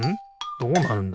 どうなるんだ？